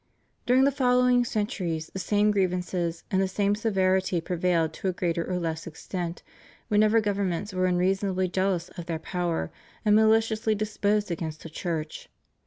During the following centuries the same grievances and the same severity prevailed to a greater or less extent, whenever governments were unreasonably jealous of their power and maliciously disposed against the Church.